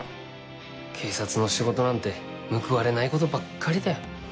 警察の仕事なんて報われないことばっかりだよ。